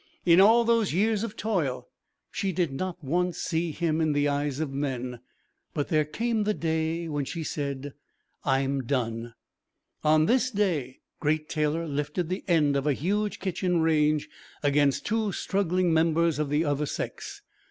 In all those years of toil she did not once see him in the eyes of men. But there came the day when she said, "I'm done." On this day Great Taylor lifted the end of a huge kitchen range against two struggling members of the other sex.